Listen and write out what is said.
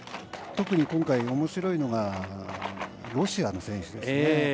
特に今回、おもしろいのがロシアの選手ですね。